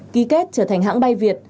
ký kết trở thành hãng bay việt